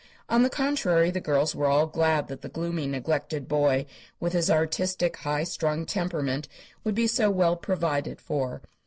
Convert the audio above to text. On the contrary, the girls were all glad that the gloomy, neglected boy, with his artistic, high strung temperament, would be so well provided for.